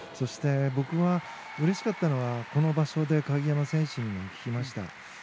僕はうれしかったのはこの場所で鍵山選手にも聞きました。